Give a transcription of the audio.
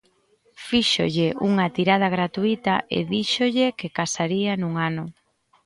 Fíxolle unha tirada gratuita e díxolle que casaría nun ano.